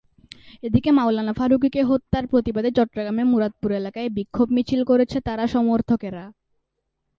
এদিকে মাওলানা ফারুকীকে হত্যার প্রতিবাদে চট্টগ্রামের মুরাদপুর এলাকায় বিক্ষোভ মিছিল করেছে তাঁরা সমর্থকেরা।